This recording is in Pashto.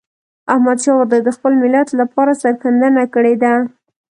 احمدشاه بابا د خپل ملت لپاره سرښندنه کړې ده.